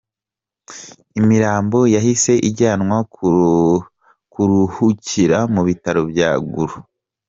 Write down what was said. Imirambo yahise ijyanwa kuruhukira mu bitaro bya Gulu.